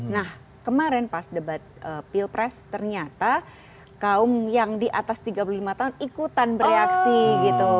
nah kemarin pas debat pilpres ternyata kaum yang di atas tiga puluh lima tahun ikutan bereaksi gitu